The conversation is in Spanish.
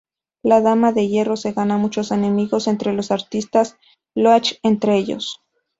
La Dama de Hierro se gana muchos enemigos entre los artistas, Loach entre ellos.